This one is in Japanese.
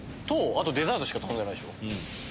あとデザートしか頼んでないでしょ。